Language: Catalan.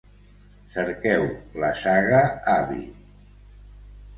Cerqueu la saga Abby.